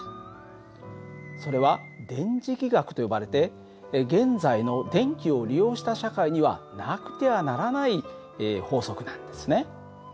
それは電磁気学と呼ばれて現在の電気を利用した社会にはなくてはならない法則なんですね。